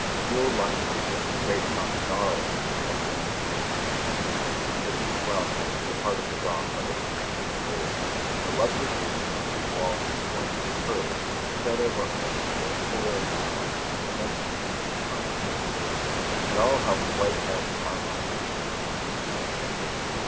The old lime tree with its great trunk gnarled with the passing of nearly nine centuries, the deep well cut through the heart of the rock by those captives of old, and the lovely view from the city wall whence we heard, spread over almost a full quarter of an hour, the multitudinous chimes of the city, had all helped to wipe out from our minds the incident of the slain kitten.